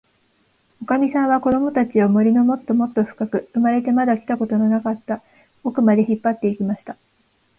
おかみさんは、こどもたちを、森のもっともっとふかく、生まれてまだ来たことのなかったおくまで、引っぱって行きました。